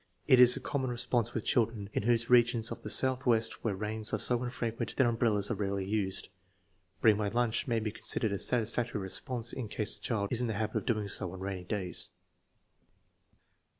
It is a com mon response with children in those regions of the Southwest where rains are so infrequent that umbrellas are rarely used. "Bring my lunch" may be considered a satisfactory response in case the child is in the habit of so doing on rainy days.